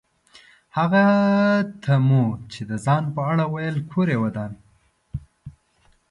هغه ته مو چې د ځان په اړه وویل کور یې ودان.